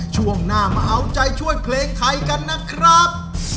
ช่วงหน้ามาเอาใจช่วยเพลงไทยกันนะครับ